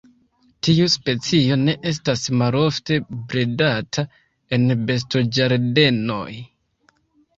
Tiu specio ne estas malofte bredata en bestoĝardenoj.